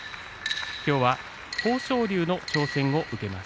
きょうは豊昇龍の挑戦を受けます。